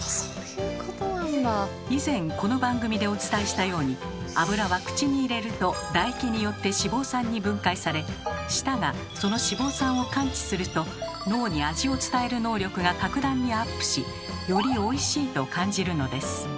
以前この番組でお伝えしたように脂は口に入れると唾液によって脂肪酸に分解され舌がその脂肪酸を感知すると脳に味を伝える能力が格段にアップしより「おいしい」と感じるのです。